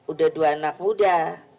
udah dua anak muda